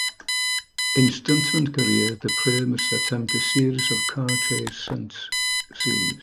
In Stuntman Career, the player must attempt a series of car chase stunt scenes.